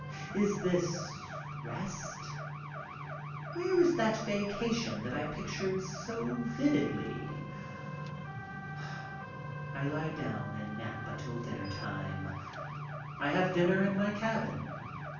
Is this rest? Where is that vacation that I pictured so vividly? I lie down and nap until dinner time. I have dinner in my cabin.